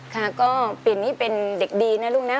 ค่ะก็ปิ่นนี่เป็นเด็กดีนะลูกนะ